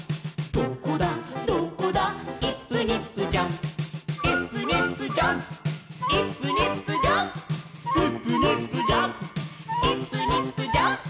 「どこだどこだイップニップジャンプ」「イップニップジャンプイップニップジャンプ」「イップニップジャンプイップニップジャンプ」